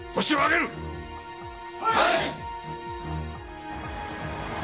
はい！